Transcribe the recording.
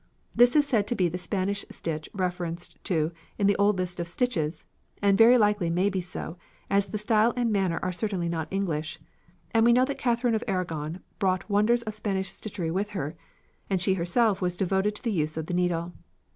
This is said to be the Spanish stitch referred to in the old list of stitches, and very likely may be so, as the style and manner are certainly not English; and we know that Catherine of Aragon brought wonders of Spanish stitchery with her, and she herself was devoted to the use of the needle.